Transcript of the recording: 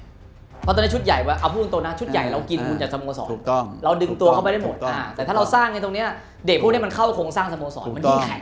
บ๊วยบรรยายเพราะตอนนี้ชุดใหญ่เอาพูดตัวนะชุดใหญ่เรากินมูลจากสโมสรเราดึงตัวเข้าไปได้หมดแต่ถ้าเราสร้างให้ตรงนี้เด็กพวกนี้มันเข้าคงสร้างสโมสรมันยิ่งแข็งใช่ไหม